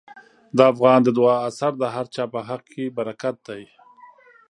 د افغان د دعا اثر د هر چا په حق کې برکت دی.